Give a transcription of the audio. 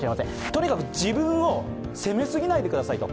とにかく自分を責めすぎないでくださいと。